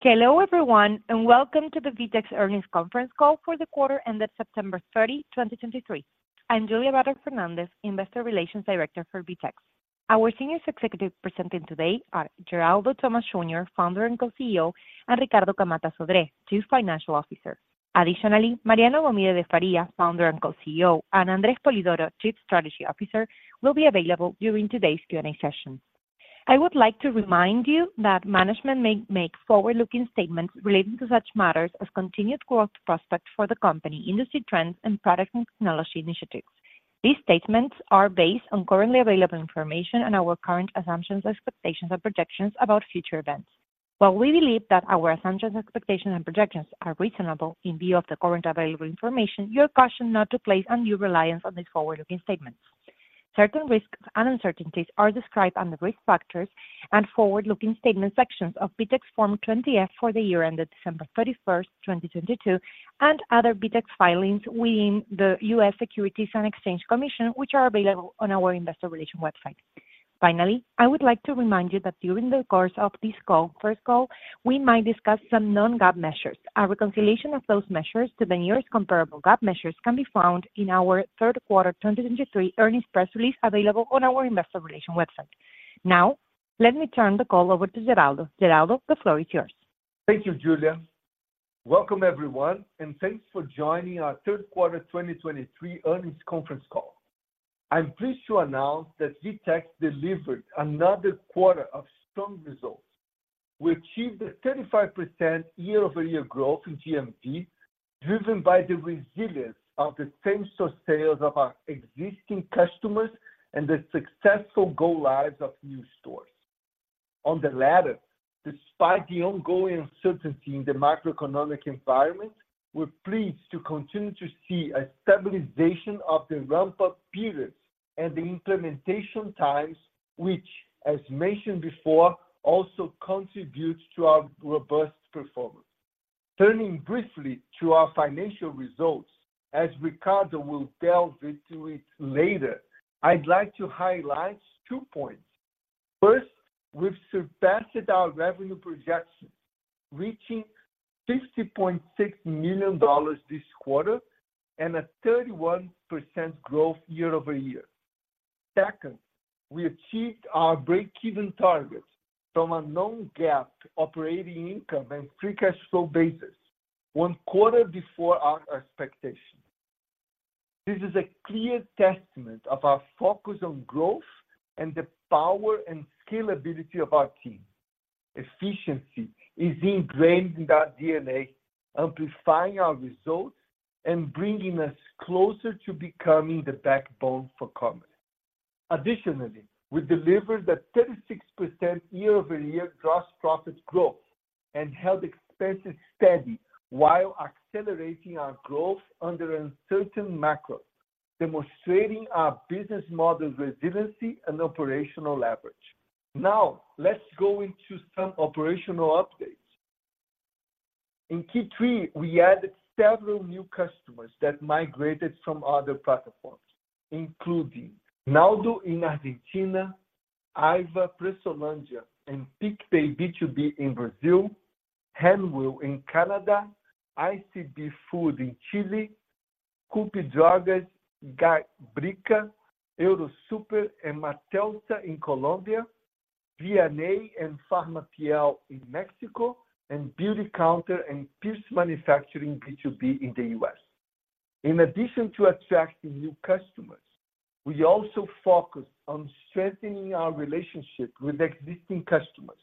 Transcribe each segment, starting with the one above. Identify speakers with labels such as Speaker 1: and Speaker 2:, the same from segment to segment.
Speaker 1: Hello everyone, and welcome to the VTEX Earnings Conference Call for the quarter ended September 30, 2023. I'm Julia Vater Fernández, Investor Relations Director for VTEX. Our senior executives presenting today are Geraldo Thomaz Júnior, founder and Co-CEO, and Ricardo Camatta Sodré, Chief Financial Officer. Additionally, Mariano Gomide de Faria, founder and Co-CEO, and André Spolidoro, Chief Strategy Officer, will be available during today's Q&A session. I would like to remind you that management may make forward-looking statements relating to such matters as continued growth prospects for the company, industry trends, and product and technology initiatives. These statements are based on currently available information and our current assumptions, expectations, and projections about future events. While we believe that our assumptions, expectations, and projections are reasonable in view of the currently available information, we caution not to place undue reliance on these forward-looking statements. Certain risks and uncertainties are described on the Risk Factors and Forward-Looking Statements sections of VTEX's Form 20-F for the year ended December 31, 2022, and other VTEX filings with the U.S. Securities and Exchange Commission, which are available on our investor relations website. Finally, I would like to remind you that during the course of this call, first call, we might discuss some non-GAAP measures. Our reconciliation of those measures to the nearest comparable GAAP measures can be found in our third quarter 2023 earnings press release, available on our investor relations website. Now, let me turn the call over to Geraldo. Geraldo, the floor is yours.
Speaker 2: Thank you, Julia. Welcome, everyone, and thanks for joining our third quarter 2023 earnings conference call. I'm pleased to announce that VTEX delivered another quarter of strong results. We achieved a 35% year-over-year growth in GMV, driven by the resilience of the same-store sales of our existing customers and the successful go-lives of new stores. On the latter, despite the ongoing uncertainty in the macroeconomic environment, we're pleased to continue to see a stabilization of the ramp-up periods and the implementation times, which, as mentioned before, also contributes to our robust performance. Turning briefly to our financial results, as Ricardo will delve into it later, I'd like to highlight two points. First, we've surpassed our revenue projections, reaching $50.6 million this quarter and a 31% growth year-over-year. Second, we achieved our breakeven target from a non-GAAP operating income and free cash flow basis, one quarter before our expectation. This is a clear testament of our focus on growth and the power and scalability of our team. Efficiency is ingrained in our DNA, amplifying our results and bringing us closer to becoming the backbone for commerce. Additionally, we delivered a 36% year-over-year gross profit growth and held expenses steady while accelerating our growth under uncertain macro, demonstrating our business model's resiliency and operational leverage. Now, let's go into some operational updates. In Q3, we added several new customers that migrated from other platforms, including Naldo in Argentina, Havan, Preçolândia, and PicPay B2B in Brazil, Handwheel in Canada, ICB Food in Chile, Copidrogas, Grupo Brica, Eurosuper, and Martelsa in Colombia, V&A and Farmacias del Ahorro in Mexico, and Beautycounter and Pierce Manufacturing B2B in the U.S. In addition to attracting new customers, we also focused on strengthening our relationship with existing customers,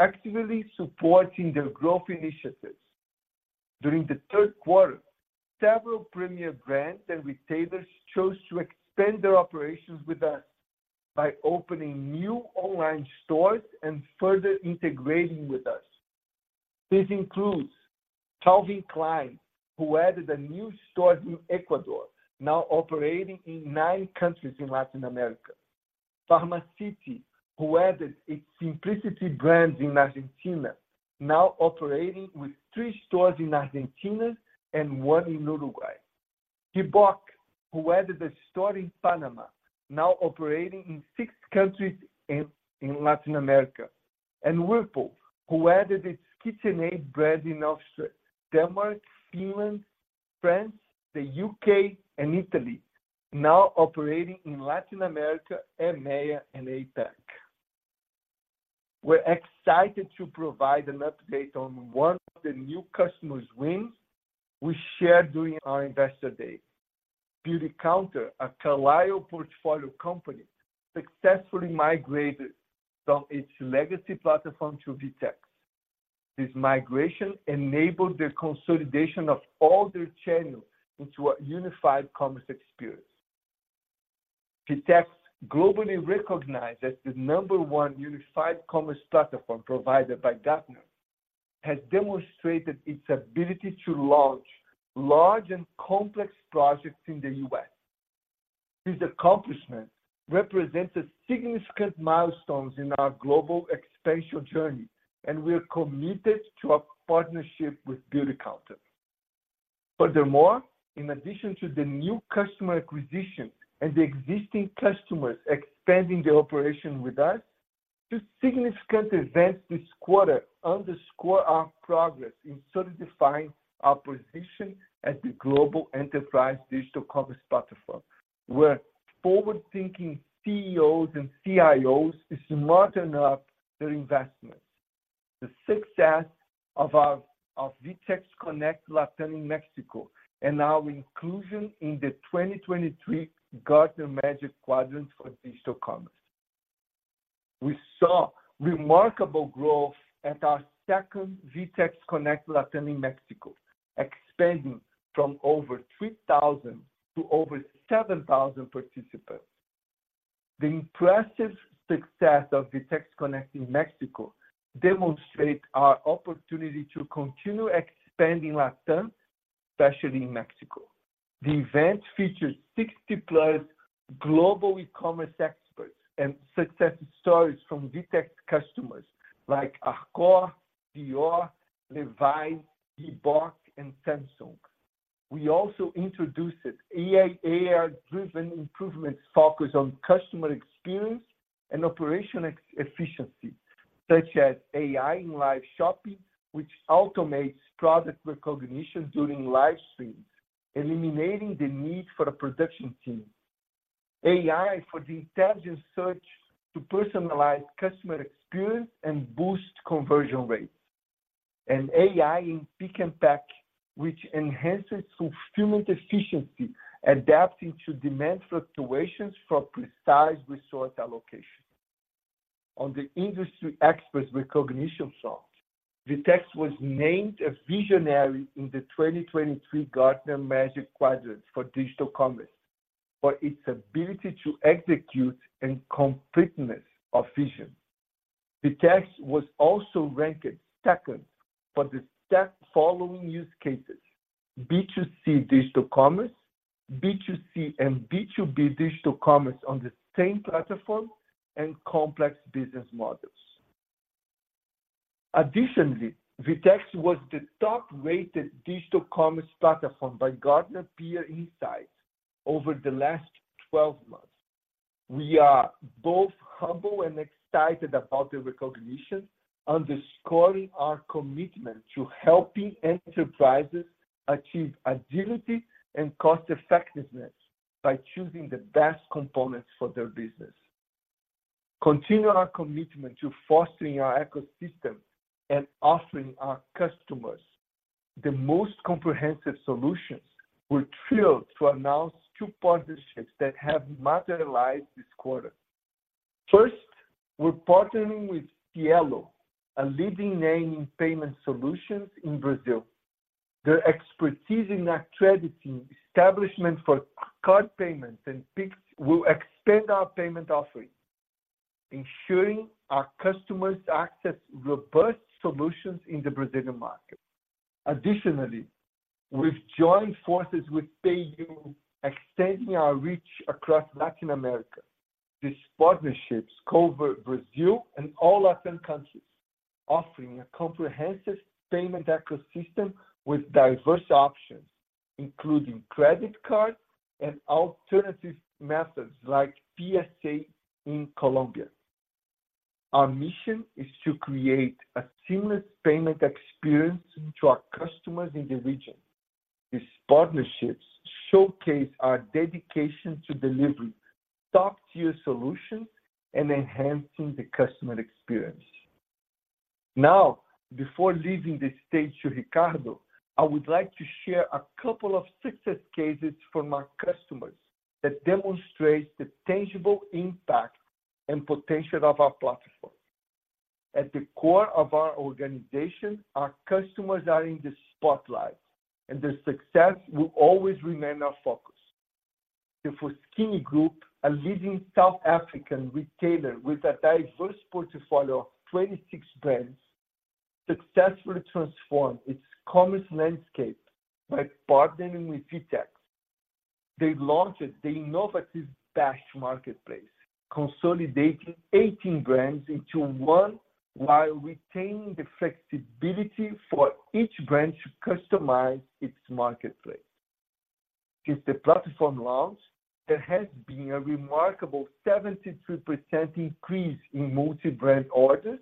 Speaker 2: actively supporting their growth initiatives. During the third quarter, several premier brands and retailers chose to expand their operations with us by opening new online stores and further integrating with us. This includes Calvin Klein, who added a new store in Ecuador, now operating in 9 countries in Latin America. Pharmaprix, who added its Simplicity brand in Argentina, now operating with 3 stores in Argentina and 1 in Uruguay. Kibon, who added a store in Panama, now operating in 6 countries in Latin America. And Whirlpool, who added its KitchenAid brand in Austria, Denmark, Finland, France, the UK, and Italy, now operating in Latin America, EMEA, and APAC. We're excited to provide an update on one of the new customers wins we shared during our Investor Day. Beautycounter, a Carlyle portfolio company, successfully migrated from its legacy platform to VTEX. This migration enabled the consolidation of all their channels into a unified commerce experience. VTEX, globally recognized as the number one unified commerce platform provider by Gartner, has demonstrated its ability to launch large and complex projects in the U.S. This accomplishment represents a significant milestone in our global expansion journey, and we are committed to a partnership with Beautycounter. Furthermore, in addition to the new customer acquisition and the existing customers expanding their operation with us, two significant events this quarter underscore our progress in solidifying our position as the global enterprise digital commerce platform, where forward-thinking CEOs and CIOs is smart enough their investments. The success of our VTEX Connect LATAM in Mexico, and our inclusion in the 2023 Gartner Magic Quadrant for digital commerce. We saw remarkable growth at our second VTEX Connect LATAM in Mexico, expanding from over 3,000 to over 7,000 participants. The impressive success of VTEX Connect in Mexico demonstrate our opportunity to continue expanding Latin, especially in Mexico. The event featured 60+ global e-commerce experts and success stories from VTEX customers like Accor, Dior, Levi's, Reebok, and Samsung. We also introduced AI-AR-driven improvements focused on customer experience and operational efficiency, such as AI in live shopping, which automates product recognition during live streams, eliminating the need for a production team. AI for the intelligent search to personalize customer experience and boost conversion rates. And AI in pick and pack, which enhances fulfillment efficiency, adapting to demand fluctuations for precise resource allocation. On the industry experts recognition front, VTEX was named a visionary in the 2023 Gartner Magic Quadrant for Digital Commerce for its ability to execute and completeness of vision. VTEX was also ranked second for the staff following use cases: B2C digital commerce, B2C and B2B digital commerce on the same platform, and complex business models. Additionally, VTEX was the top-rated digital commerce platform by Gartner Peer Insights over the last 12 months. We are both humble and excited about the recognition, underscoring our commitment to helping enterprises achieve agility and cost-effectiveness by choosing the best components for their business. Continue our commitment to fostering our ecosystem and offering our customers the most comprehensive solutions. We're thrilled to announce two partnerships that have materialized this quarter. First, we're partnering with Cielo, a leading name in payment solutions in Brazil. Their expertise in accrediting establishments for card payments and Pix will expand our payment offerings, ensuring our customers access robust solutions in the Brazilian market. Additionally, we've joined forces with PayU, extending our reach across Latin America. These partnerships cover Brazil and all Latin countries, offering a comprehensive payment ecosystem with diverse options, including credit card and alternative methods like PSE in Colombia. Our mission is to create a seamless payment experience to our customers in the region. These partnerships showcase our dedication to delivering top-tier solutions and enhancing the customer experience. Now, before leaving the stage to Ricardo, I would like to share a couple of success cases from our customers that demonstrates the tangible impact and potential of our platform. At the core of our organization, our customers are in the spotlight, and their success will always remain our focus. The Foschini Group, a leading South African retailer with a diverse portfolio of 26 brands, successfully transformed its commerce landscape by partnering with VTEX. They launched the innovative Bash Marketplace, consolidating 18 brands into one, while retaining the flexibility for each brand to customize its marketplace. Since the platform launch, there has been a remarkable 72% increase in multi-brand orders,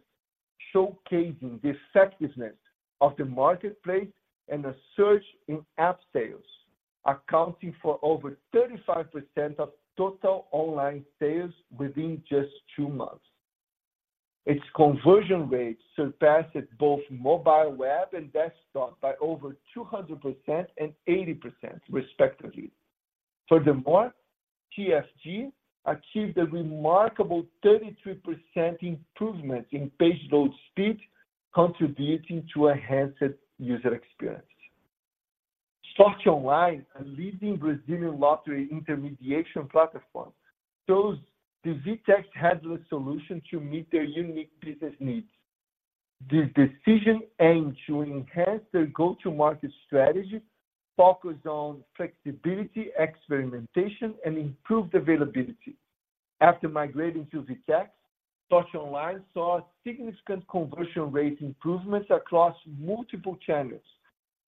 Speaker 2: showcasing the effectiveness of the marketplace and a surge in app sales, accounting for over 35% of total online sales within just two months. Its conversion rate surpasses both mobile web and desktop by over 200% and 80%, respectively. Furthermore, TFG achieved a remarkable 33% improvement in page load speed, contributing to enhanced user experience. Sorte Online, a leading Brazilian lottery intermediation platform, chose the VTEX headless solution to meet their unique business needs. This decision aimed to enhance their go-to-market strategy, focused on flexibility, experimentation, and improved availability. After migrating to VTEX, Sorte Online saw significant conversion rate improvements across multiple channels,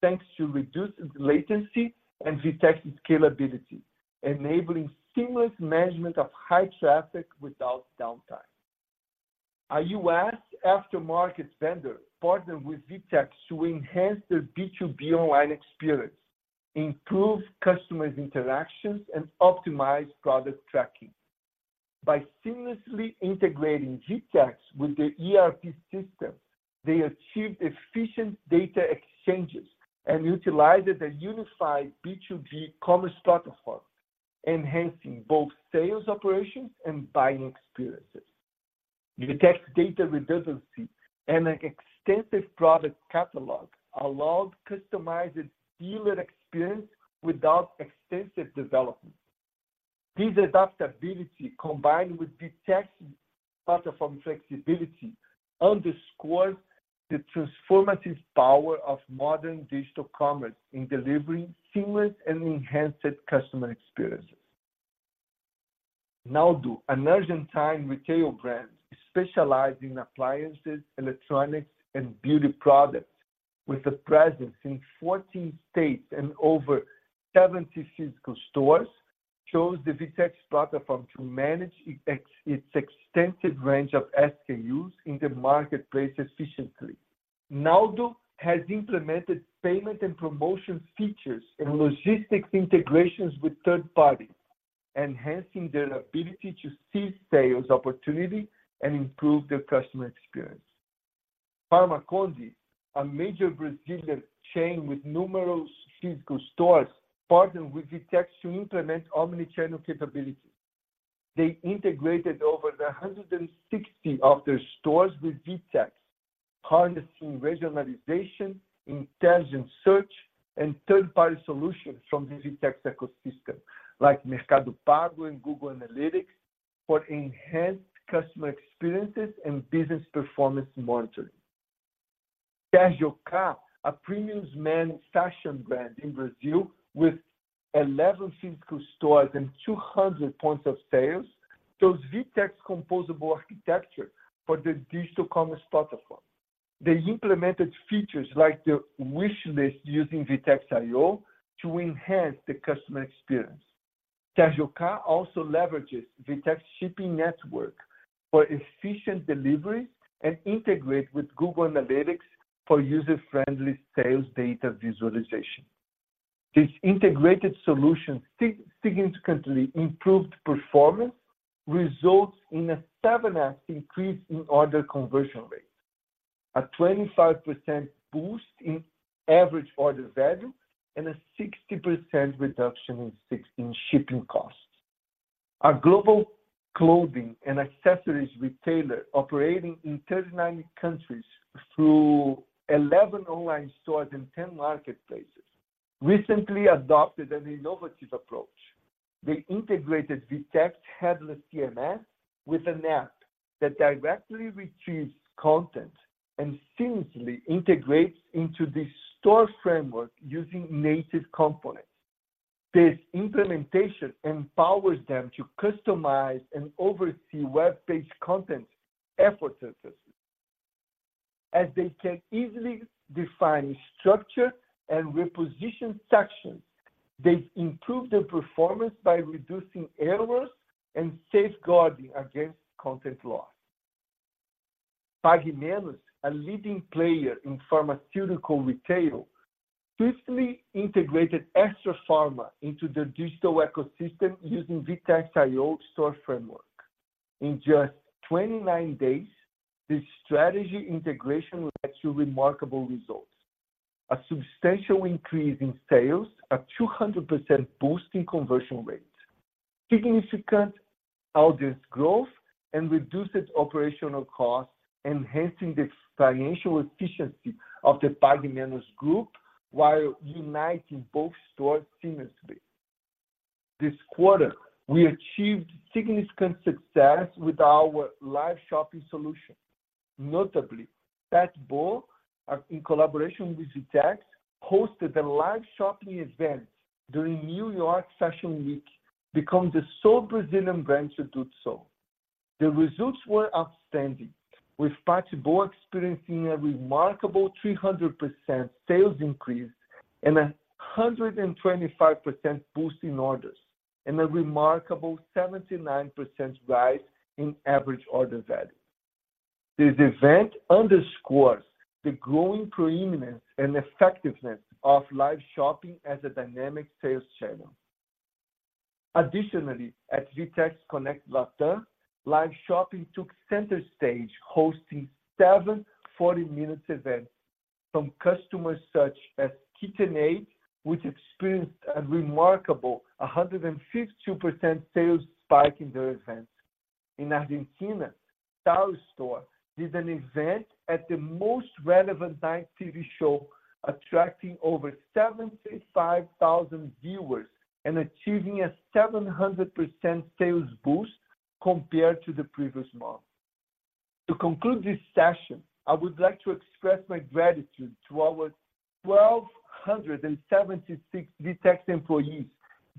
Speaker 2: thanks to reduced latency and VTEX's scalability, enabling seamless management of high traffic without downtime. A U.S. aftermarket vendor partnered with VTEX to enhance their B2B online experience, improve customer interactions, and optimize product tracking. By seamlessly integrating VTEX with their ERP system, they achieved efficient data exchanges and utilized a unified B2B commerce platform, enhancing both sales operations and buying experiences. VTEX data redundancy and an extensive product catalog allowed customized dealer experience without extensive development. This adaptability, combined with VTEX platform flexibility, underscores the transformative power of modern digital commerce in delivering seamless and enhanced customer experiences. Naldo, an Argentine retail brand, specializes in appliances, electronics, and beauty products, with a presence in 14 states and over 70 physical stores, chose the VTEX platform to manage its extensive range of SKUs in the marketplace efficiently. Naldo has implemented payment and promotion features and logistics integrations with third parties, enhancing their ability to seize sales opportunity and improve their customer experience. Farmaconde, a major Brazilian chain with numerous physical stores, partnered with VTEX to implement omnichannel capabilities. They integrated over 160 of their stores with VTEX, harnessing regionalization, intelligent search, and third-party solutions from the VTEX ecosystem, like Mercado Pago and Google Analytics, for enhanced customer experiences and business performance monitoring. Carioca, a premium men's fashion brand in Brazil with 11 physical stores and 200 points of sales, chose VTEX composable architecture for their digital commerce platform. They implemented features like the wishlist using VTEX IO to enhance the customer experience. Carioca also leverages VTEX Shipping Network for efficient delivery and integrate with Google Analytics for user-friendly sales data visualization. This integrated solution significantly improved performance, results in a 7x increase in order conversion rate, a 25% boost in average order value, and a 60% reduction in shipping costs. A global clothing and accessories retailer operating in 39 countries through 11 online stores and 10 marketplaces recently adopted an innovative approach. They integrated VTEX Headless CMS with an app that directly retrieves content and seamlessly integrates into the store framework using native components. This implementation empowers them to customize and oversee web page content effortlessly, as they can easily define structure and reposition sections. They've improved their performance by reducing errors and safeguarding against content loss. Pague Menos, a leading player in pharmaceutical retail, swiftly integrated Extra Farma into their digital ecosystem using VTEX IO store framework. In just 29 days, this strategy integration led to remarkable results: a substantial increase in sales, a 200% boost in conversion rate, significant audience growth, and reduced operational costs, enhancing the financial efficiency of the Pague Menos group while uniting both stores seamlessly. This quarter, we achieved significant success with our live shopping solution. Notably, Patbo, in collaboration with VTEX, hosted a live shopping event during New York Fashion Week, becoming the sole Brazilian brand to do so. The results were outstanding, with Patbo experiencing a remarkable 300% sales increase and a 125% boost in orders, and a remarkable 79% rise in average order value. This event underscores the growing prominence and effectiveness of live shopping as a dynamic sales channel. Additionally, at VTEX Connect LATAM, live shopping took center stage, hosting seven 40-minute events from customers such as KitchenAid, which experienced a remarkable 152% sales spike in their event. In Argentina, Taustore did an event at the most relevant night TV show, attracting over 75,000 viewers and achieving a 700% sales boost compared to the previous month. To conclude this session, I would like to express my gratitude to our 1,276 VTEX employees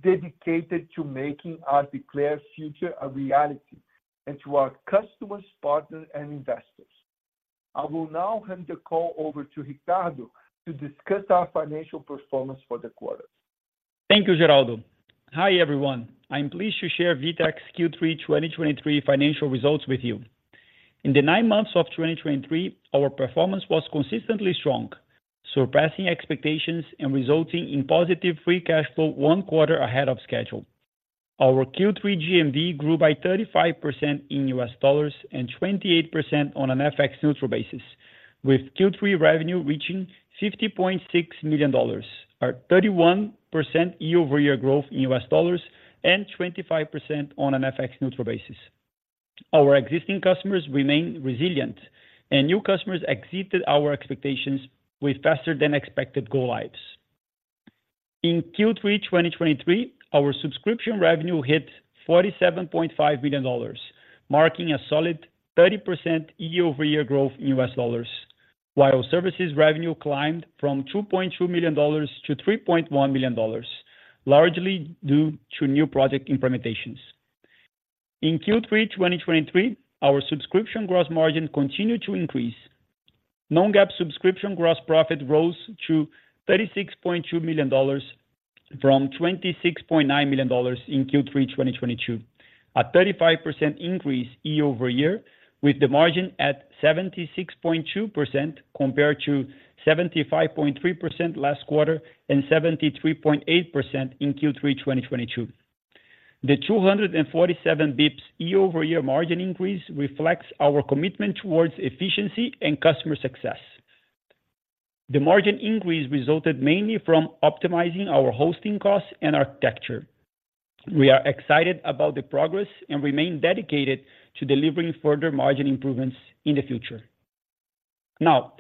Speaker 2: dedicated to making our declared future a reality, and to our customers, partners, and investors. I will now hand the call over to Ricardo to discuss our financial performance for the quarter.
Speaker 3: Thank you, Geraldo. Hi, everyone. I'm pleased to share VTEX Q3 2023 financial results with you. In the nine months of 2023, our performance was consistently strong, surpassing expectations and resulting in positive free cash flow one quarter ahead of schedule. Our Q3 GMV grew by 35% in US dollars, and 28% on an FX neutral basis, with Q3 revenue reaching $50.6 million, a 31% year-over-year growth in US dollars, and 25% on an FX neutral basis. Our existing customers remain resilient, and new customers exceeded our expectations with faster than expected go lives. In Q3 2023, our subscription revenue hit $47.5 million, marking a solid 30% year-over-year growth in US dollars, while services revenue climbed from $2.2 million-$3.1 million, largely due to new project implementations. In Q3 2023, our subscription gross margin continued to increase. Non-GAAP subscription gross profit rose to $36.2 million from $26.9 million in Q3 2022, a 35% increase year-over-year, with the margin at 76.2%, compared to 75.3% last quarter and 73.8% in Q3 2022. The 247 BPS year-over-year margin increase reflects our commitment towards efficiency and customer success. The margin increase resulted mainly from optimizing our hosting costs and architecture. We are excited about the progress and remain dedicated to delivering further margin improvements in the future. Now,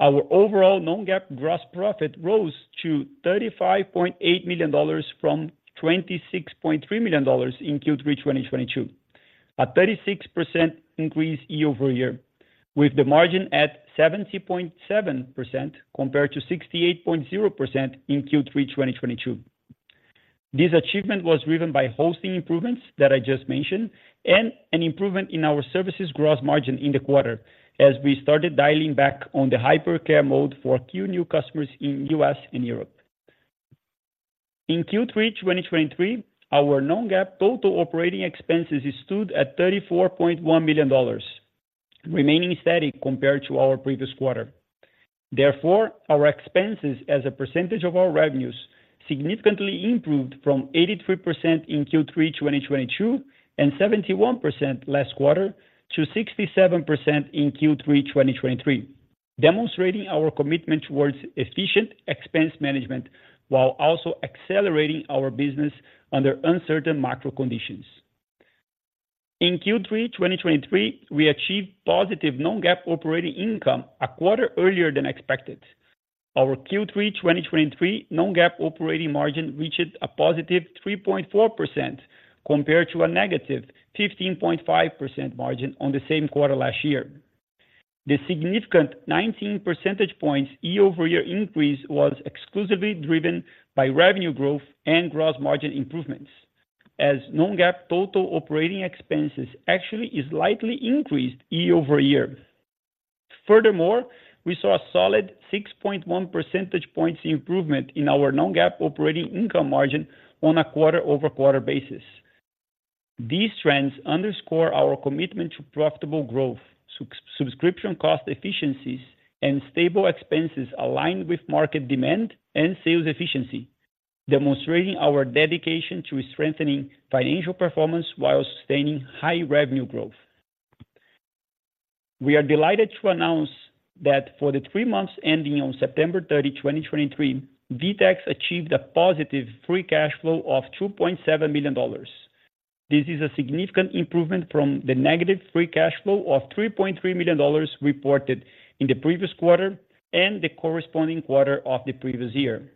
Speaker 3: our overall non-GAAP gross profit rose to $35.8 million from $26.3 million in Q3 2022, a 36% increase year-over-year, with the margin at 70.7%, compared to 68.0% in Q3 2022. This achievement was driven by hosting improvements that I just mentioned, and an improvement in our services gross margin in the quarter, as we started dialing back on the hyper care mode for Q new customers in U.S. and Europe. In Q3 2023, our non-GAAP total operating expenses stood at $34.1 million, remaining steady compared to our previous quarter. Therefore, our expenses as a percentage of our revenues significantly improved from 83% in Q3 2022, and 71% last quarter, to 67% in Q3 2023, demonstrating our commitment towards efficient expense management, while also accelerating our business under uncertain macro conditions. In Q3 2023, we achieved positive non-GAAP operating income, a quarter earlier than expected. Our Q3 2023 non-GAAP operating margin reached a positive 3.4%, compared to a negative 15.5% margin on the same quarter last year. The significant 19 percentage points year-over-year increase was exclusively driven by revenue growth and gross margin improvements, as non-GAAP total operating expenses actually slightly increased year-over-year. Furthermore, we saw a solid 6.1 percentage points improvement in our non-GAAP operating income margin on a quarter-over-quarter basis. These trends underscore our commitment to profitable growth, subscription cost efficiencies, and stable expenses aligned with market demand and sales efficiency, demonstrating our dedication to strengthening financial performance while sustaining high revenue growth. We are delighted to announce that for the three months ending on September 30, 2023, VTEX achieved a positive free cash flow of $2.7 million. This is a significant improvement from the negative free cash flow of $3.3 million reported in the previous quarter and the corresponding quarter of the previous year.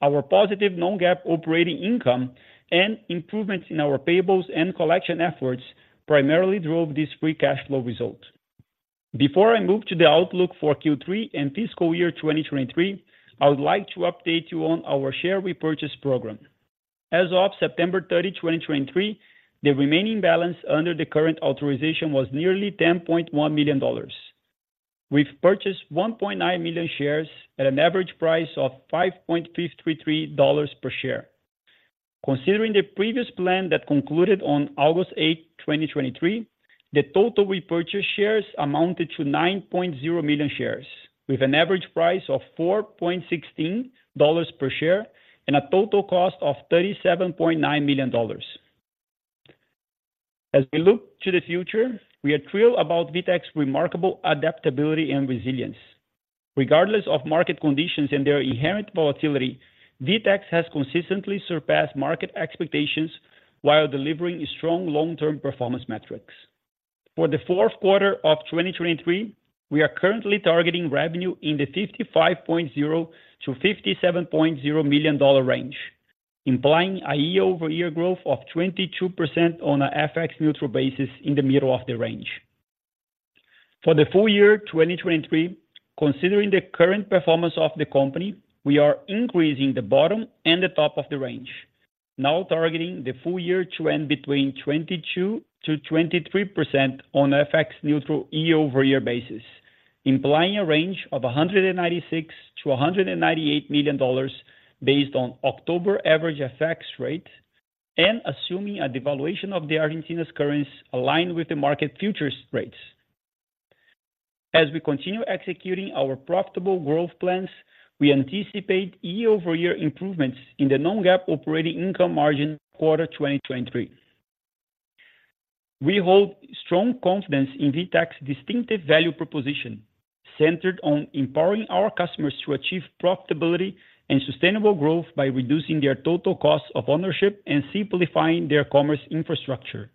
Speaker 3: Our positive non-GAAP operating income and improvements in our payables and collection efforts primarily drove this free cash flow result. Before I move to the outlook for Q3 and fiscal year 2023, I would like to update you on our share repurchase program. As of September 30, 2023, the remaining balance under the current authorization was nearly $10.1 million. We've purchased 1.9 million shares at an average price of $5.533 per share. Considering the previous plan that concluded on August 8, 2023, the total repurchased shares amounted to 9.0 million shares, with an average price of $4.16 per share and a total cost of $37.9 million. As we look to the future, we are thrilled about VTEX's remarkable adaptability and resilience. Regardless of market conditions and their inherent volatility, VTEX has consistently surpassed market expectations while delivering strong long-term performance metrics. For the fourth quarter of 2023, we are currently targeting revenue in the $55.0 million-$57.0 million range. Implying a year-over-year growth of 22% on a FX neutral basis in the middle of the range. For the full year 2023, considering the current performance of the company, we are increasing the bottom and the top of the range, now targeting the full year to end between 22%-23% on FX neutral year-over-year basis, implying a range of $196 million-$198 million based on October average FX rate, and assuming a devaluation of Argentina's currency aligned with the market futures rates. As we continue executing our profitable growth plans, we anticipate year-over-year improvements in the non-GAAP operating income margin quarter 2023. We hold strong confidence in VTEX's distinctive value proposition, centered on empowering our customers to achieve profitability and sustainable growth by reducing their total cost of ownership and simplifying their commerce infrastructure.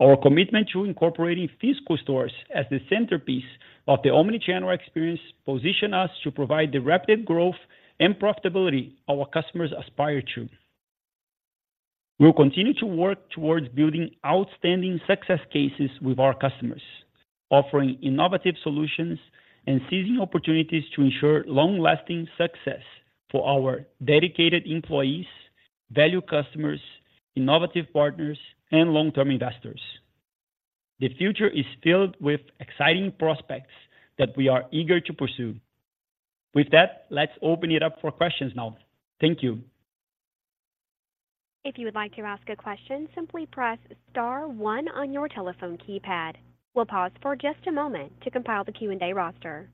Speaker 3: Our commitment to incorporating physical stores as the centerpiece of the omni-channel experience, position us to provide the rapid growth and profitability our customers aspire to. We'll continue to work towards building outstanding success cases with our customers, offering innovative solutions and seizing opportunities to ensure long-lasting success for our dedicated employees, valued customers, innovative partners, and long-term investors. The future is filled with exciting prospects that we are eager to pursue. With that, let's open it up for questions now. Thank you.
Speaker 4: If you would like to ask a question, simply press star one on your telephone keypad. We'll pause for just a moment to compile the Q&A roster.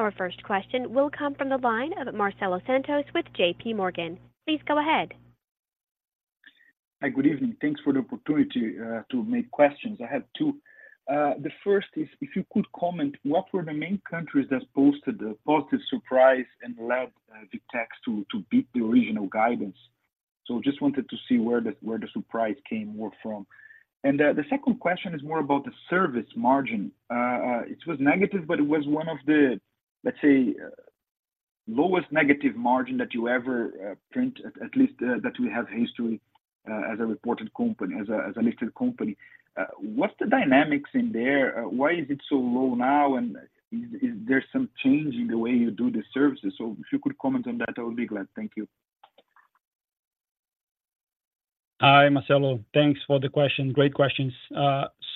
Speaker 4: Our first question will come from the line of Marcelo Santos with JP Morgan. Please go ahead.
Speaker 5: Hi. Good evening. Thanks for the opportunity to make questions. I have two. The first is, if you could comment, what were the main countries that posted a positive surprise and allowed the VTEX to beat the original guidance? So just wanted to see where the surprise came more from. And the second question is more about the service margin. It was negative, but it was one of the, let's say, lowest negative margin that you ever print, at least that we have history as a reported company, as a listed company. What's the dynamics in there? Why is it so low now? And is there some change in the way you do the services? So if you could comment on that, I would be glad. Thank you.
Speaker 3: Hi, Marcelo. Thanks for the question. Great questions.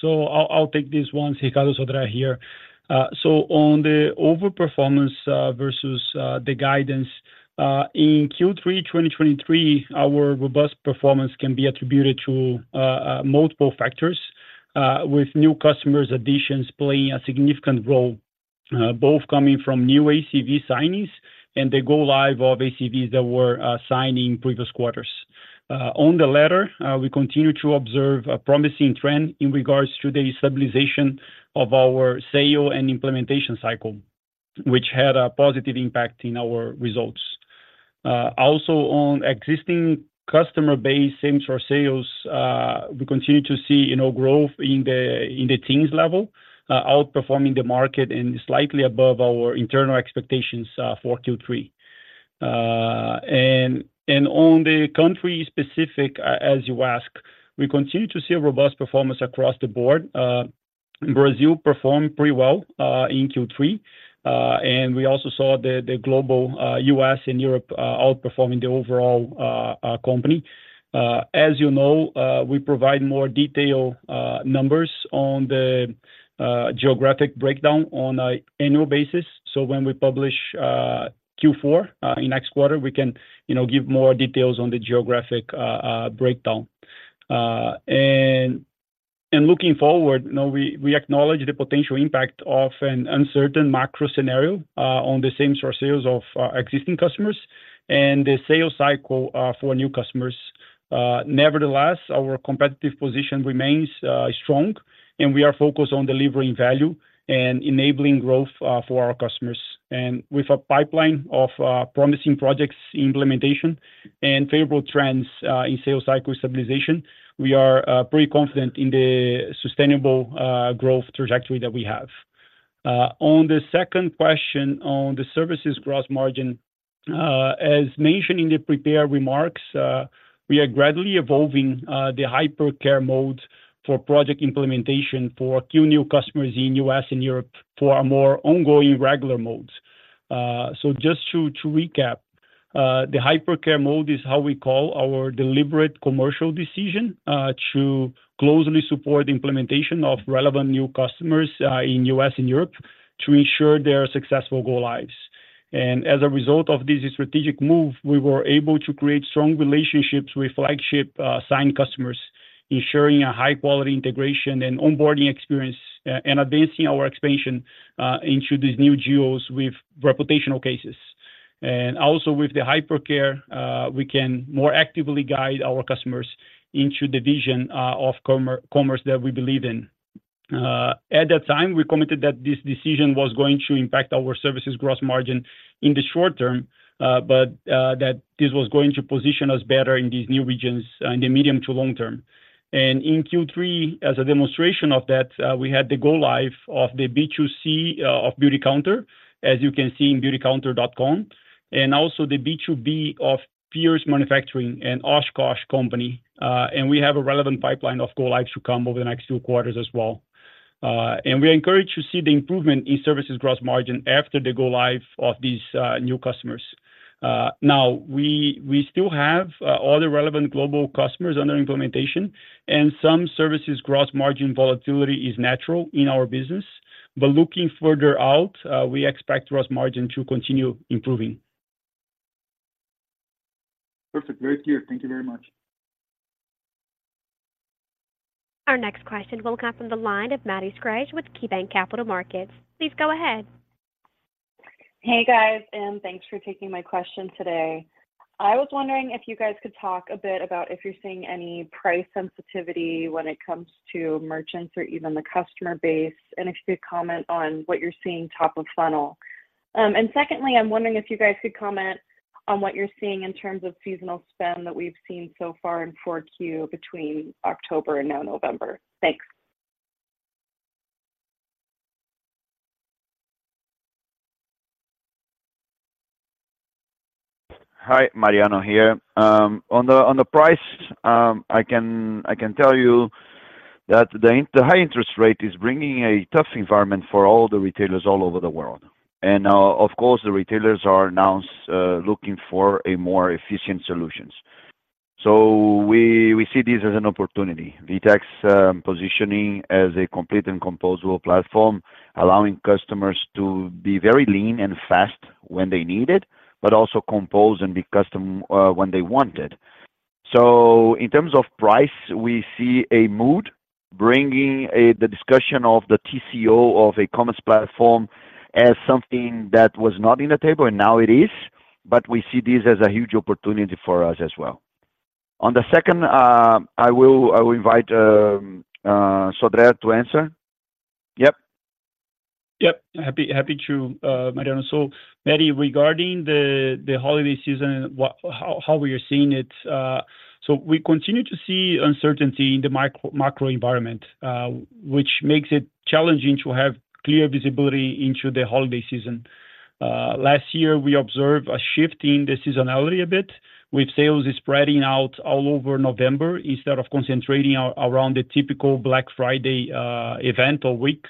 Speaker 3: So I'll take this one. Ricardo Sodré here. So on the overperformance versus the guidance in Q3 2023, our robust performance can be attributed to multiple factors with new customers' additions playing a significant role, both coming from new ACV signings and the go live of ACVs that were signed in previous quarters. On the latter, we continue to observe a promising trend in regards to the stabilization of our sales and implementation cycle, which had a positive impact in our results. Also on existing customer base, same store sales, we continue to see, you know, growth in the teens level, outperforming the market and slightly above our internal expectations for Q3. On the country-specific, as you ask, we continue to see a robust performance across the board. Brazil performed pretty well in Q3. And we also saw the global U.S. and Europe outperforming the overall company. As you know, we provide more detailed numbers on the geographic breakdown on an annual basis. So when we publish Q4 in next quarter, we can, you know, give more details on the geographic breakdown. And looking forward, you know, we acknowledge the potential impact of an uncertain macro scenario on the same-store sales of existing customers and the sales cycle for new customers. Nevertheless, our competitive position remains strong, and we are focused on delivering value and enabling growth for our customers. With a pipeline of promising projects implementation and favorable trends in sales cycle stabilization, we are pretty confident in the sustainable growth trajectory that we have. On the second question on the services gross margin, as mentioned in the prepared remarks, we are gradually evolving the Hypercare mode for project implementation for a few new customers in U.S. and Europe for our more ongoing regular modes. So just to recap, the Hypercare mode is how we call our deliberate commercial decision to closely support the implementation of relevant new customers in U.S. and Europe, to ensure their successful go lives. As a result of this strategic move, we were able to create strong relationships with flagship signed customers, ensuring a high quality integration and onboarding experience, and advancing our expansion into these new geos with reputational cases. Also with the hyper care, we can more actively guide our customers into the vision of commerce that we believe in. At that time, we commented that this decision was going to impact our services gross margin in the short term, but that this was going to position us better in these new regions in the medium to long term. In Q3, as a demonstration of that, we had the go live of the B2C of Beautycounter, as you can see in Beautycounter.com, and also the B2B of Pierce Manufacturing and Oshkosh Company. We have a relevant pipeline of go lives to come over the next two quarters as well. We are encouraged to see the improvement in services gross margin after the go live of these new customers. Now, we still have other relevant global customers under implementation, and some services gross margin volatility is natural in our business. But looking further out, we expect gross margin to continue improving.
Speaker 2: Perfect. Very clear. Thank you very much.
Speaker 4: Our next question will come from the line of Maddie Schrage with KeyBanc Capital Markets. Please go ahead.
Speaker 6: Hey, guys, and thanks for taking my question today. I was wondering if you guys could talk a bit about if you're seeing any price sensitivity when it comes to merchants or even the customer base, and if you could comment on what you're seeing top of funnel. And secondly, I'm wondering if you guys could comment on what you're seeing in terms of seasonal spend that we've seen so far in Q4 between October and now November. Thanks.
Speaker 7: Hi, Mariano here. On the, on the price, I can, I can tell you that the high interest rate is bringing a tough environment for all the retailers all over the world. And, of course, the retailers are now looking for a more efficient solutions. So we, we see this as an opportunity. VTEX positioning as a complete and composable platform, allowing customers to be very lean and fast when they need it, but also compose and be custom when they want it. So in terms of price, we see a mood bringing the discussion of the TCO of a commerce platform as something that was not in the table, and now it is, but we see this as a huge opportunity for us as well. On the second, I will, I will invite Sodré to answer. Yep.
Speaker 3: Yep. Happy to, Mariano. So Maddie, regarding the holiday season, how we are seeing it, so we continue to see uncertainty in the macro environment, which makes it challenging to have clear visibility into the holiday season. Last year, we observed a shift in the seasonality a bit, with sales spreading out all over November instead of concentrating around the typical Black Friday event or week.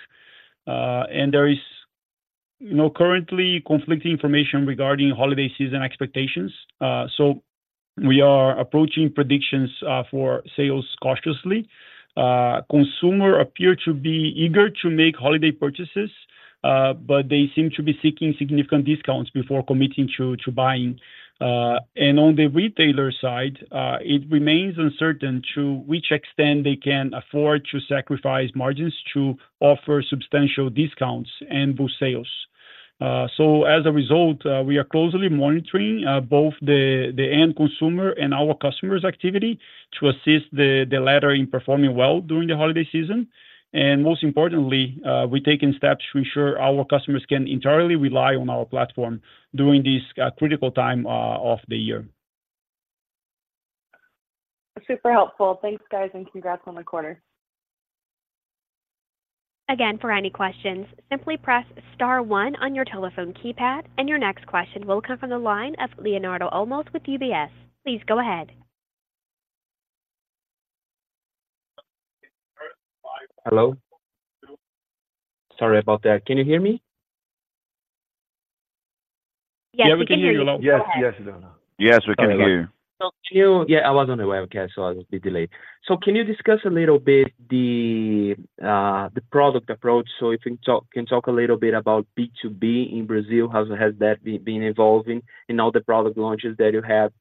Speaker 3: And there is, you know, currently conflicting information regarding holiday season expectations. So we are approaching predictions for sales cautiously. Consumers appear to be eager to make holiday purchases, but they seem to be seeking significant discounts before committing to buying. And on the retailer side, it remains uncertain to which extent they can afford to sacrifice margins to offer substantial discounts and boost sales. So as a result, we are closely monitoring both the end consumer and our customers' activity, to assist the latter in performing well during the holiday season. Most importantly, we're taking steps to ensure our customers can entirely rely on our platform during this critical time of the year.
Speaker 6: Super helpful. Thanks, guys, and congrats on the quarter.
Speaker 4: Again, for any questions, simply press star one on your telephone keypad, and your next question will come from the line of Leonardo Olmos with UBS. Please go ahead.
Speaker 8: Hello? Sorry about that. Can you hear me?
Speaker 4: Yes, we can hear you.
Speaker 2: Yeah, we can hear you well.
Speaker 7: Yes. Yes, Leonardo. Yes, we can hear you.
Speaker 8: Yeah, I was on the webcast, so I was a bit delayed. So can you discuss a little bit the product approach? So if you can talk a little bit about B2B in Brazil, how has that been evolving and all the product launches that you have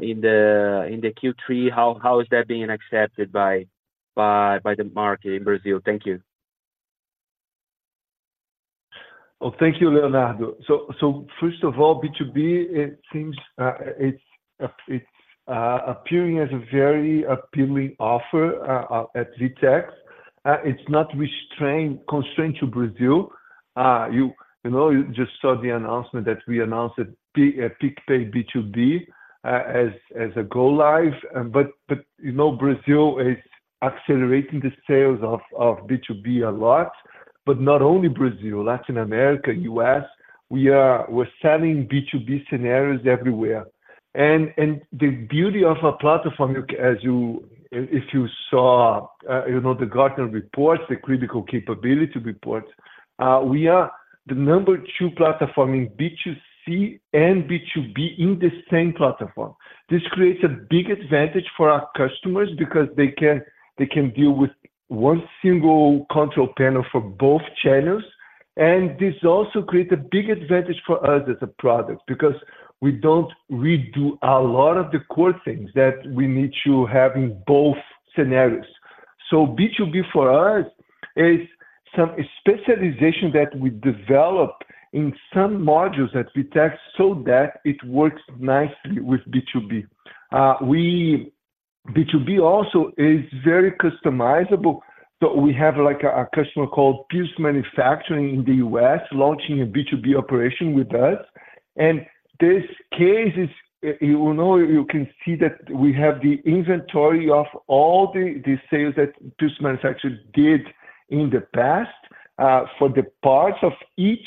Speaker 8: in the Q3, how is that being accepted by the market in Brazil? Thank you.
Speaker 2: Well, thank you, Leonardo. So first of all, B2B, it seems, it's appearing as a very appealing offer at VTEX. It's not constrained to Brazil. You know, you just saw the announcement that we announced a PicPay B2B as a go live. But you know, Brazil is accelerating the sales of B2B a lot. But not only Brazil, Latin America, U.S., we're selling B2B scenarios everywhere. And the beauty of our platform, if you saw, you know, the Gartner reports, the critical capability reports, we are the number two platform in B2C and B2B in the same platform. This creates a big advantage for our customers because they can, they can deal with one single control panel for both channels, and this also creates a big advantage for us as a product, because we don't redo a lot of the core things that we need to have in both scenarios. So B2B, for us, is some specialization that we developed in some modules at VTEX, so that it works nicely with B2B. B2B also is very customizable, so we have like a customer called Pierce Manufacturing in the U.S., launching a B2B operation with us. And this case is, you know, you can see that we have the inventory of all the sales that Pierce Manufacturing did in the past, for the parts of each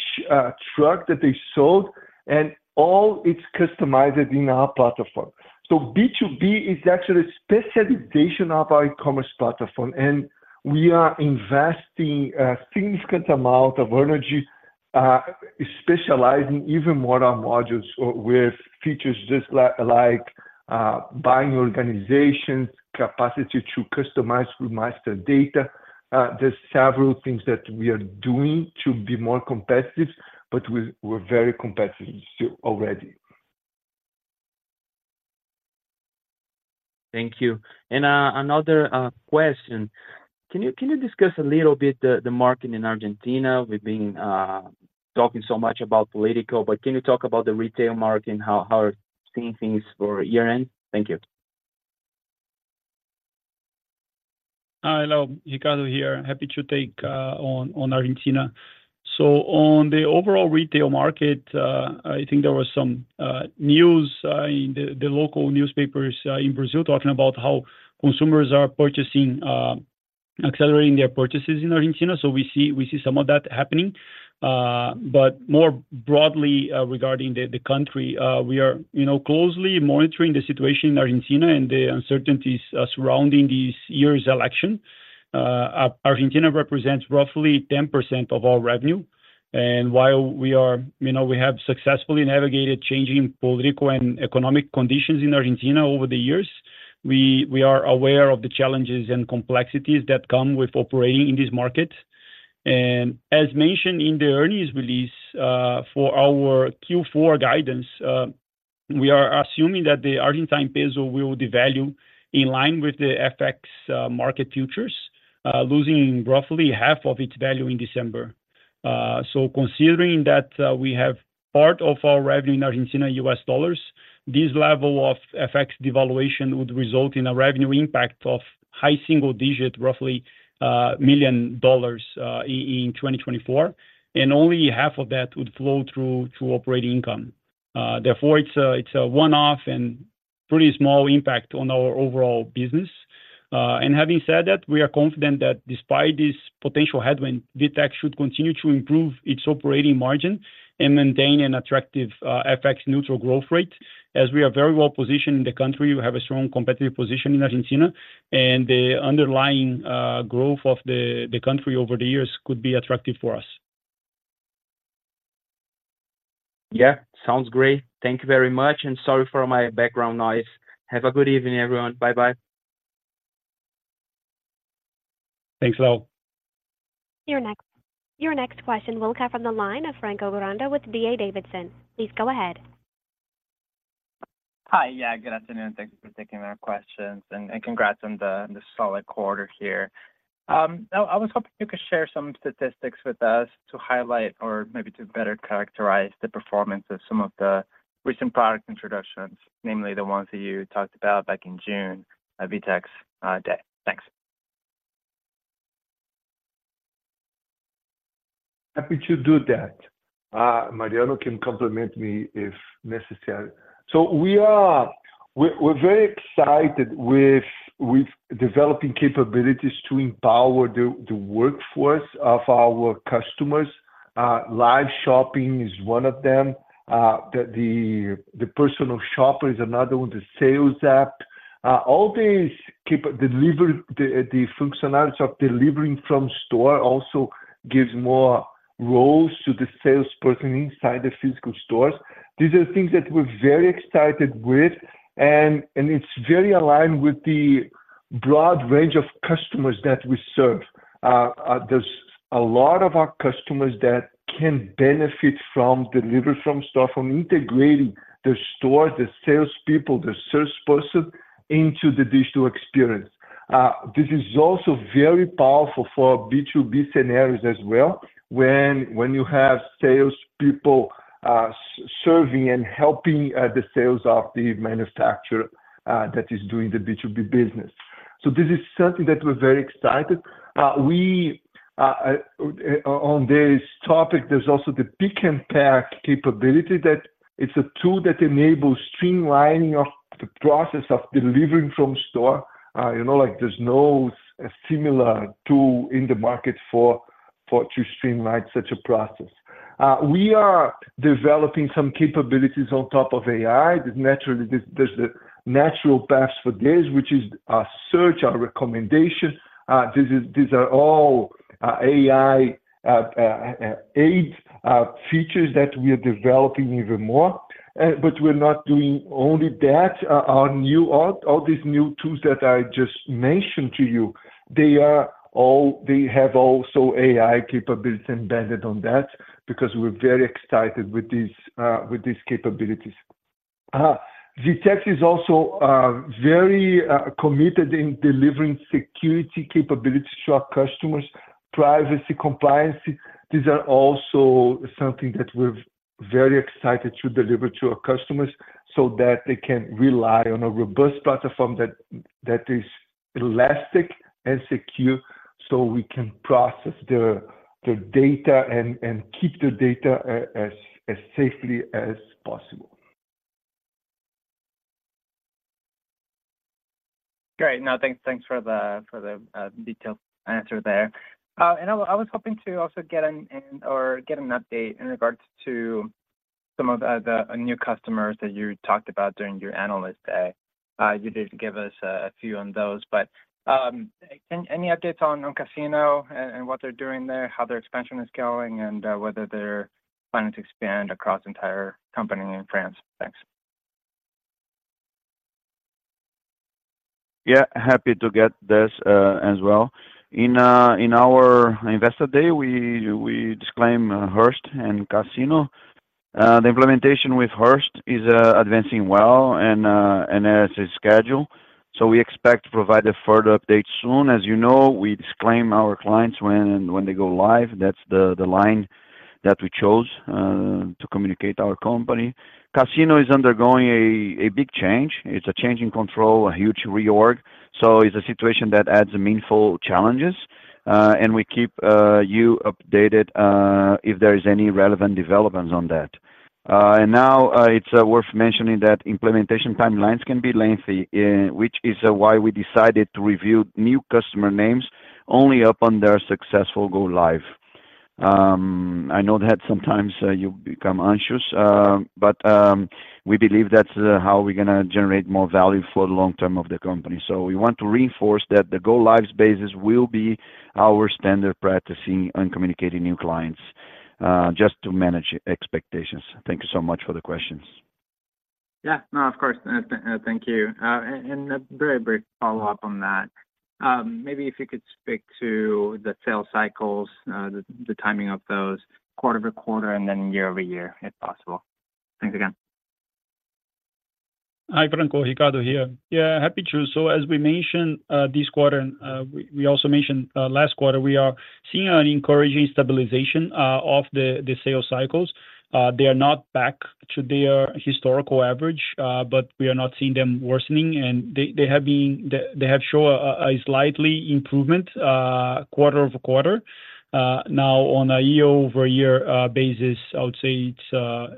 Speaker 2: truck that they sold, and all it's customized in our platform. So, B2B is actually specialization of our e-commerce platform, and we are investing a significant amount of energy, specializing even more our modules or with features just like, buying organizations, capacity to customize with master data. There's several things that we are doing to be more competitive, but we, we're very competitive so already.
Speaker 8: Thank you. And, another question: can you discuss a little bit the market in Argentina? We've been talking so much about political, but can you talk about the retail market and how you're seeing things for year-end? Thank you.
Speaker 3: Hi, Leo. Ricardo here. Happy to take on Argentina. So on the overall retail market, I think there was some news in the local newspapers in Brazil, talking about how consumers are purchasing—accelerating their purchases in Argentina. So we see some of that happening. But more broadly, regarding the country, we are, you know, closely monitoring the situation in Argentina and the uncertainties surrounding this year's election. Argentina represents roughly 10% of our revenue, and while we are... You know, we have successfully navigated changing political and economic conditions in Argentina over the years. We are aware of the challenges and complexities that come with operating in this market. And as mentioned in the earnings release, for our Q4 guidance, we are assuming that the Argentine peso will devalue in line with the FX market futures, losing roughly half of its value in December. So considering that, we have part of our revenue in Argentina, US dollars, this level of FX devaluation would result in a revenue impact of high single-digit, roughly, $ million in 2024, and only half of that would flow through to operating income. Therefore, it's a one-off and pretty small impact on our overall business. And having said that, we are confident that despite this potential headwind, VTEX should continue to improve its operating margin and maintain an attractive, FX neutral growth rate, as we are very well positioned in the country. We have a strong competitive position in Argentina, and the underlying growth of the country over the years could be attractive for us.
Speaker 8: Yeah, sounds great. Thank you very much, and sorry for my background noise. Have a good evening, everyone. Bye-bye.
Speaker 3: Thanks, Leo.
Speaker 4: Your next question will come from the line of Franco Granda with D.A. Davidson. Please go ahead.
Speaker 9: Hi. Yeah, good afternoon. Thank you for taking our questions, and congrats on the solid quarter here. I was hoping you could share some statistics with us to highlight or maybe to better characterize the performance of some of the recent product introductions, namely the ones that you talked about back in June at VTEX Day. Thanks.
Speaker 2: Happy to do that. Mariano can compliment me if necessary. So we're very excited with developing capabilities to empower the workforce of our customers. Live shopping is one of them. The personal shopper is another one, the sales app. All these keep deliver the functionality of delivering from store also gives more roles to the salesperson inside the physical stores. These are things that we're very excited with, and it's very aligned with the broad range of customers that we serve. There's a lot of our customers that can benefit from delivery from store, from integrating the store, the salespeople, the salesperson into the digital experience. This is also very powerful for B2B scenarios as well, when you have salespeople serving and helping the sales of the manufacturer that is doing the B2B business. So this is something that we're very excited. On this topic, there's also the pick-and-pack capability, that it's a tool that enables streamlining of the process of delivering from store. You know, like there's no similar tool in the market for to streamline such a process. We are developing some capabilities on top of AI. There's naturally the natural path for this, which is our search, our recommendation. These are all AI aids features that we are developing even more. But we're not doing only that. Our new... All these new tools that I just mentioned to you, they are all. They have also AI capabilities embedded on that, because we're very excited with these, with these capabilities. VTEX is also very committed in delivering security capabilities to our customers. Privacy, compliance, these are also something that we're very excited to deliver to our customers so that they can rely on a robust platform that is elastic and secure, so we can process their data and keep the data as safely as possible.
Speaker 9: Great. Now, thanks for the detailed answer there. And I was hoping to also get an update in regards to some of the new customers that you talked about during your analyst day. You did give us a few on those, but any updates on Casino and what they're doing there, how their expansion is going, and whether they're planning to expand across entire company in France? Thanks.
Speaker 7: Yeah. Happy to get this as well. In our investor day, we disclosed Hearst and Casino. The implementation with Hearst is advancing well and as is scheduled, so we expect to provide a further update soon. As you know, we disclose our clients when they go live. That's the line that we chose to communicate our company. Casino is undergoing a big change. It's a change in control, a huge reorg, so it's a situation that adds meaningful challenges. And we keep you updated if there is any relevant developments on that. And now, it's worth mentioning that implementation timelines can be lengthy, which is why we decided to reveal new customer names only upon their successful go live. I know that sometimes you become anxious, but we believe that's how we're gonna generate more value for the long term of the company. So we want to reinforce that the go lives basis will be our standard practicing on communicating new clients, just to manage expectations. Thank you so much for the questions.
Speaker 9: Yeah. No, of course. Thank you. And a very brief follow-up on that. Maybe if you could speak to the sales cycles, the timing of those quarter-over-quarter, and then year-over-year, if possible. Thanks again.
Speaker 3: Hi, Franco. Ricardo here. Yeah, happy to. So as we mentioned, this quarter, and we also mentioned last quarter, we are seeing an encouraging stabilization of the sales cycles. They are not back to their historical average, but we are not seeing them worsening, and they have shown a slight improvement quarter-over-quarter. Now, on a year-over-year basis, I would say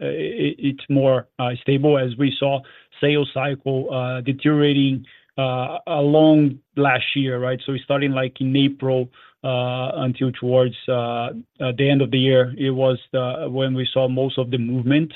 Speaker 3: it's more stable as we saw sales cycle deteriorating along last year, right? So starting, like, in April, until towards the end of the year, it was when we saw most of the movement.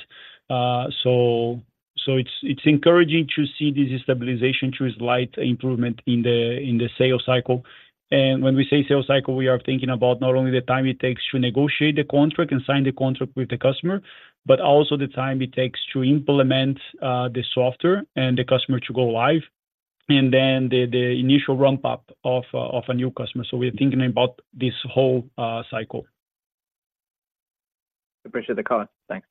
Speaker 3: So it's encouraging to see this stabilization to a slight improvement in the sales cycle. When we say sales cycle, we are thinking about not only the time it takes to negotiate the contract and sign the contract with the customer, but also the time it takes to implement the software and the customer to go live, and then the initial ramp up of a new customer. So we're thinking about this whole cycle.
Speaker 9: I appreciate the call. Thanks.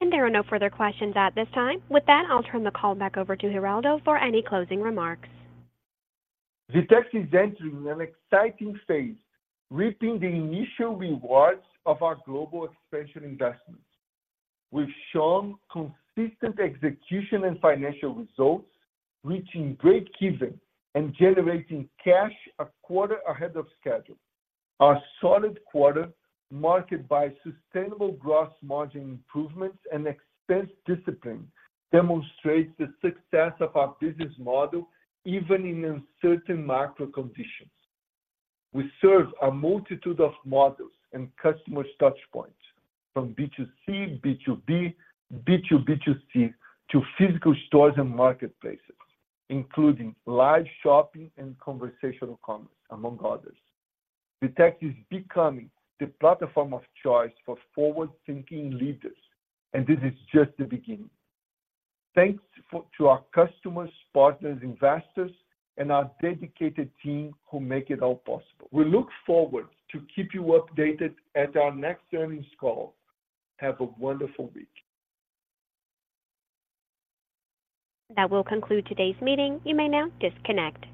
Speaker 4: There are no further questions at this time. With that, I'll turn the call back over to Geraldo for any closing remarks.
Speaker 2: VTEX is entering an exciting phase, reaping the initial rewards of our global expansion investments. We've shown consistent execution and financial results, reaching break even and generating cash a quarter ahead of schedule. Our solid quarter, marked by sustainable gross margin improvements and expense discipline, demonstrates the success of our business model, even in uncertain macro conditions. We serve a multitude of models and customer touch points, from B2C, B2B, B2B2C, to physical stores and marketplaces, including live shopping and conversational commerce, among others. VTEX is becoming the platform of choice for forward-thinking leaders, and this is just the beginning. Thanks to our customers, partners, investors, and our dedicated team who make it all possible. We look forward to keep you updated at our next earnings call. Have a wonderful week.
Speaker 4: That will conclude today's meeting. You may now disconnect.